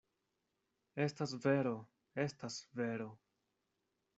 Estas vero, estas vero!